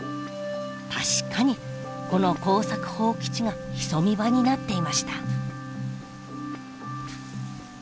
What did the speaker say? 確かにこの耕作放棄地が潜み場になっていました。